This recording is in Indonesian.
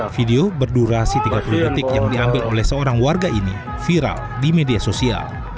video berdurasi tiga puluh detik yang diambil oleh seorang warga ini viral di media sosial